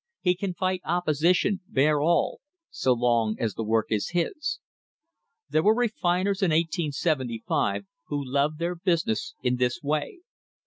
He can fight opposition, bear all — so long as the work is his. There were refiners in 1875 who loved their busi ness in this way.